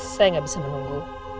saya gak bisa menunggu